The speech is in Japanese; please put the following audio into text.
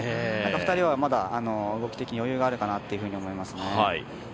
２人はまだ動き的に余裕があるかなって思いますね。